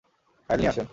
File নিয়ে আসেন।